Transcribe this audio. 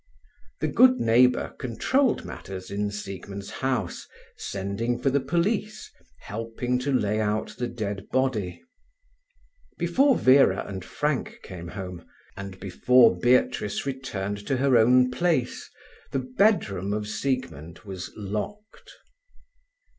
The good neighbour controlled matters in Siegmund's house, sending for the police, helping to lay out the dead body. Before Vera and Frank came home, and before Beatrice returned to her own place, the bedroom of Siegmund was locked.